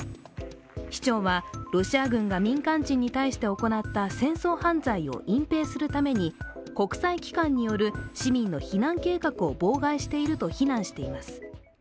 市長は、ロシア軍が民間人に対して行った戦争犯罪を隠蔽するために国際機関による市民の避難計画を妨害していると非難しています。